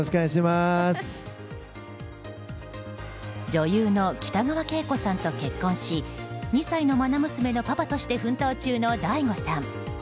女優の北川景子さんと結婚し２歳の愛娘のパパとして奮闘中のＤＡＩＧＯさん。